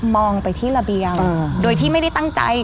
ไปที่ระเบียงโดยที่ไม่ได้ตั้งใจ